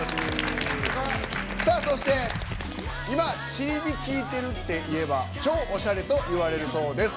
そして「今、チリビ聴いてる」って言えば超おしゃれと言われるそうです。